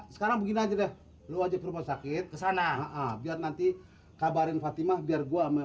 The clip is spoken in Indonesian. sekarang begini aja deh lu aja ke rumah sakit sana biar nanti kabarin fatimah biar gua mau sepuluh